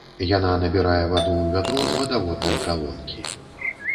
Яна набірае ваду ў вядро з вадаводнай калонкі.